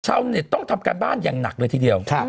เน็ตต้องทำการบ้านอย่างหนักเลยทีเดียว